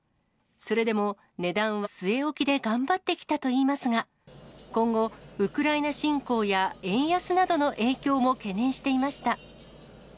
それでも、値段は据え置きで頑張ってきたといいますが、今後、ウクライナ侵攻や円安などの影響も懸念していました。